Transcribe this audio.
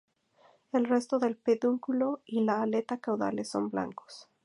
El resto del pedúnculo y la aleta caudales son blancos.